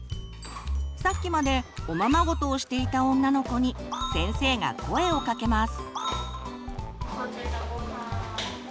さっきまでおままごとをしていた女の子に先生が声をかけます。